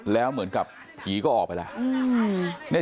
แล้วเหมือนกับผีก็ออกไปแล้ว